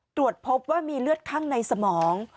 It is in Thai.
ตรวจพบว่ามีเลือดข้างในสมอง